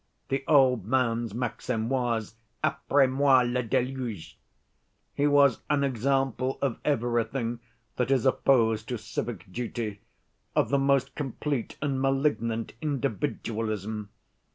The old man's maxim was Après moi le déluge. He was an example of everything that is opposed to civic duty, of the most complete and malignant individualism.